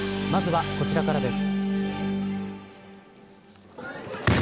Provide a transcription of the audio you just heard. まずは、こちらからです。